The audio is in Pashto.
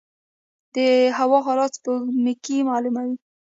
د هوا حالات سپوږمکۍ معلوموي